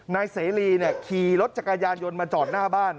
นายเสรีขี่รถจักรยานยนต์มาจอดหน้าบ้าน